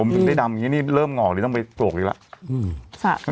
ถึงได้ดำอย่างนี้นี่เริ่มหงอกเลยต้องไปโปกอีกแล้ว